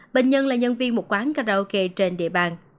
bệnh nhân là nhân viên một quán karaoke trên địa bàn